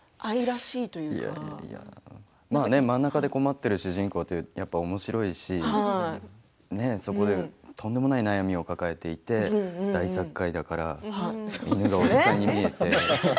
まあね、真ん中で困ってる主人公ってやっぱおもしろいしそこで、とんでもない悩みを抱えていて大殺界だから犬が、おじさんに見えて。